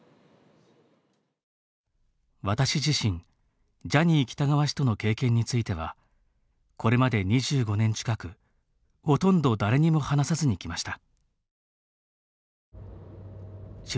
「私自身、ジャニー喜多川氏との経験についてはこれまで２５年近く、ほとんど誰にも話さずにきました。」